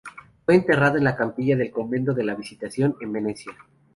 Fue enterrada en la capilla del convento de la Visitación, en Venecia.